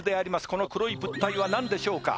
この黒い物体は何でしょうか